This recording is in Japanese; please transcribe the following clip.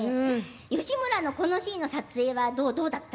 義村のこのシーンの撮影はどうだった？